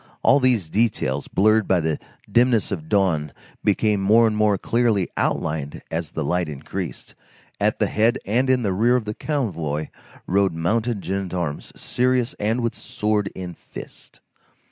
All these details, blurred by the dimness of dawn, became more and more clearly outlined as the light increased. At the head and in the rear of the convoy rode mounted gendarmes, serious and with sword in fist.